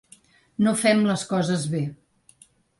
No fem les coses bé.